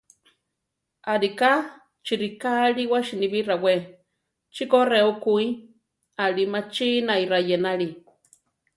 Ariká chi riká aliwá siníbi rawé: chiko re ukúi alí machinái rayénali.